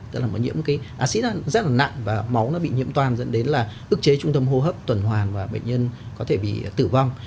tức là một nhiễm cái ácid rất là nặng và máu nó bị nhiễm toàn dẫn đến là ức chế trung tâm hô hấp tuần hoàn và bệnh nhân có thể bị tử vong